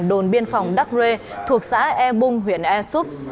đồn biên phòng đắk rê thuộc xã e bung huyện esup